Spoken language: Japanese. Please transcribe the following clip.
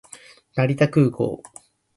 成田空港